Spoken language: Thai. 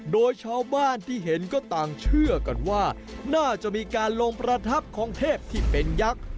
โดยชาวบ้านที่เห็นก็ต่างเชื่อกันว่าน่าจะมีการลงประทับของเทพที่เป็นยักษ์